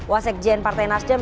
wasek gian partai nasdem